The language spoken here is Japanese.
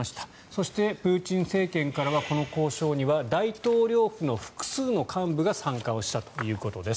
そして、プーチン政権からはこの交渉には大統領府の複数の幹部が参加をしたということです。